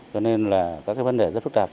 cho nên là các vấn đề rất phức tạp